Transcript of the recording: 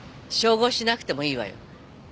照合しなくてもいいわよ。